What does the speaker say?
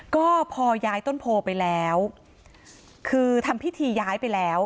ก็พอย้ายต้นโพไปแล้วคือทำพิธีย้ายไปแล้ว